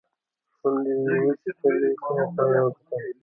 شونډې يې وچيچلې شاوخوا يې وکتل.